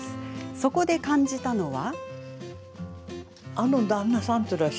そこで感じたのは。